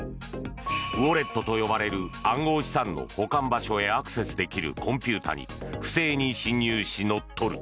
ウォレットと呼ばれる暗号資産の保管場所へアクセスできるコンピューターに不正に侵入し、乗っ取る。